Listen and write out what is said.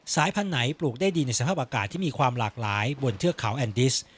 สายพันธุ์ไหนปลูกได้ดีในสภาพอากาศที่มีความหลากหลายบนเทือกเขาแอนดิส